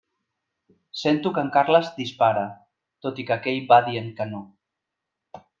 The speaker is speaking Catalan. Sento que en Carles dispara, tot i que aquell va dient que no.